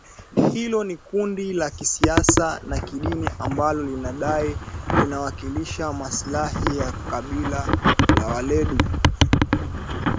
Hilo ni kundi la kisiasa na kidini ambalo linadai linawakilisha maslahi ya kabila la walendu